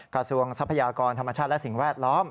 ทรัพยากรธรรมชาติและสิ่งแวดล้อม